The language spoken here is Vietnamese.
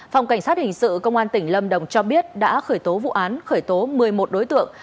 phòng cảnh sát hình sự công an tỉnh lâm đồng cho biết đã khởi tố vụ án khởi tố một mươi một đối tượng